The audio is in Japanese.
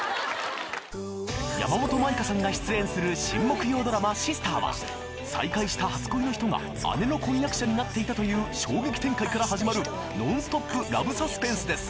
・山本舞香さんが出演する新木曜ドラマ『Ｓｉｓｔｅｒ』は再会した初恋の人が姉の婚約者になっていたという衝撃展開から始まるノンストップ・ラブサスペンスです